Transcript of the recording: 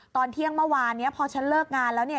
ตอนเที่ยงเมื่อวานนี้พอฉันเลิกงานแล้วเนี่ย